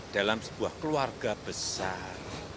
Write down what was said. dalam sebuah keluarga besar